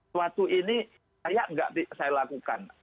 suatu ini saya nggak saya lakukan